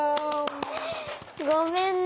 ごめんね。